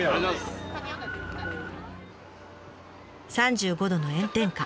３５度の炎天下。